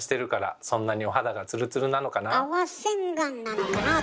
泡洗顔なのかなあ